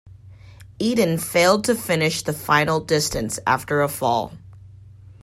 Eden failed to finish the final distance after a fall.